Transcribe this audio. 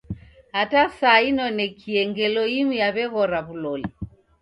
Hata saa inonekie ngelo imu yaweghora wuloli.